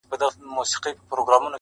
د تورو شپو سپين څراغونه مړه ســول.